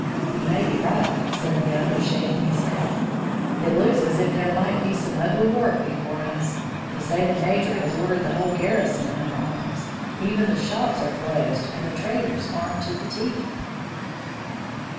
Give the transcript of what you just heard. "You may be right," said the other, shaking his head. "It looks as if there might be some ugly work before us. They say the Major has ordered the whole garrison under arms. Even the shops are closed and the traders armed to the teeth."